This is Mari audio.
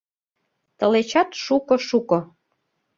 Тылечат шуко-шуко.